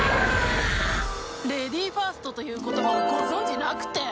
レディーファーストという言葉をご存じなくて？